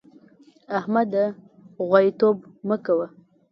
احمده! غواييتوب مه کوه.